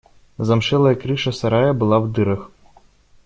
Замшелая крыша сарая была в дырах.